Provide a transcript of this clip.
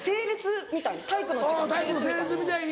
体育の整列みたいに。